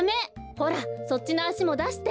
ほらそっちのあしもだして。